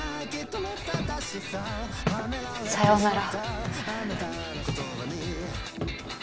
さよなら。